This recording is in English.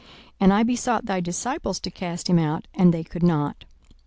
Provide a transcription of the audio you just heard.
42:009:040 And I besought thy disciples to cast him out; and they could not.